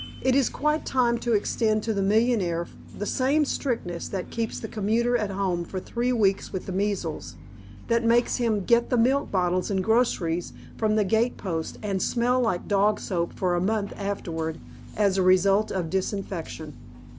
It is quite time to extend to the millionaire the same strictness that keeps the commuter at home for three weeks with the measles; that makes him get the milk bottles and groceries from the gate post and smell like dog soap for a month afterward, as a result of disinfection.